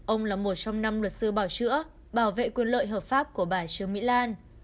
ông là một trong năm luật sư bảo chữa bảo vệ quyền lợi hợp pháp của bà trương mỹ lan